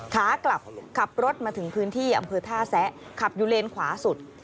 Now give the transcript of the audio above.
ขากลับขับรถมาถึงพื้นที่อำเภอท่าแซะขับอยู่เลนขวาสุด